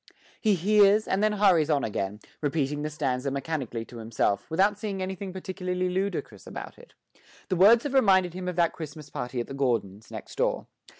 He hears, and then hurries on again, repeating the stanza mechanically to himself, without seeing anything particularly ludicrous about it. The words have reminded him of that Christmas party at the Gordons', next door.